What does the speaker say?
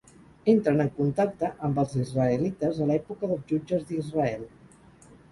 Entren en contacte amb els israelites a l'època dels jutges d'Israel.